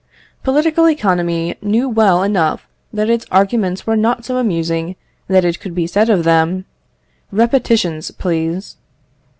Political economy knew well enough that its arguments were not so amusing that it could be said of them, repetitions please.